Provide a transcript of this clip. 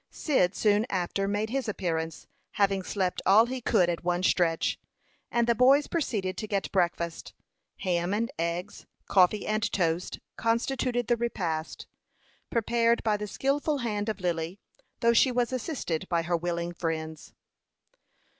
Cyd soon after made his appearance, having slept all he could at one stretch, and the boys proceeded to get breakfast. Ham and eggs, coffee and toast, constituted the repast, prepared by the skilful hand of Lily, though she was assisted by her willing friends.